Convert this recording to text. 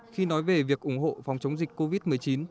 khi nói về việc ủng hộ phòng chống dịch covid một mươi chín